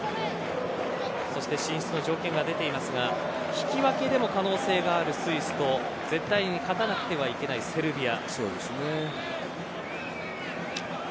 進出の条件が出ていますが引き分けでも可能性があるスイスと絶対に勝たなくてはいけないセルビア。